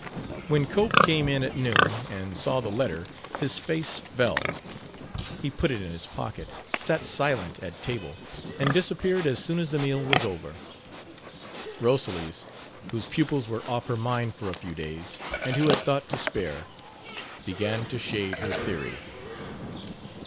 When Cope came in at noon and saw the letter, his face fell. He put it in his pocket, sat silent at table, and disappeared as soon as the meal was over. Rosalys, whose pupils were off her mind for a few days and who had thought to spare, began to shade her theory.